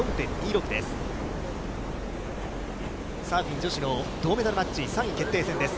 サーフィン女子の銅メダルマッチ、３位決定戦です。